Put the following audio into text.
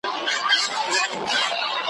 لکه د بزم د پانوس په شپه کي !.